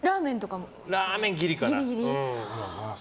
ラーメンギリかな。